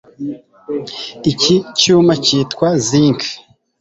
Iki cyuma cyitwa zinc